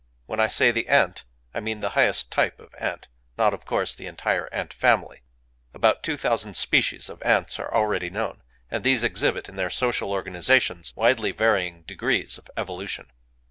When I say "the ant," I mean the highest type of ant,—not, of course, the entire ant family. About two thousand species of ants are already known; and these exhibit, in their social organizations, widely varying degrees of evolution.